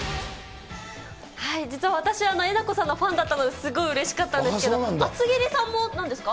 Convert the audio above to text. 実は私、えなこさんのファンだったので、すごいうれしかったんですけど、厚切りさんもなんですか？